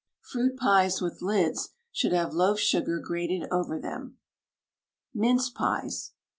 Fruit pies with lids should have loaf sugar grated over them. MINCE PIES.